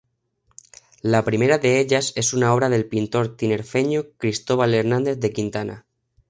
La primera de ellas es una obra del pintor tinerfeño Cristóbal Hernández de Quintana.